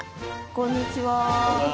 こんにちは。